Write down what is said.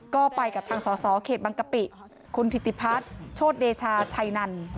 ก็ไปกับทางสอสอเขตบังกะปิคุณถิติพัฒน์โชธเดชาชัยนัน